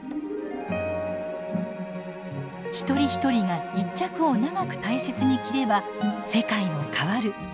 一人一人が１着を長く大切に着れば世界も変わる。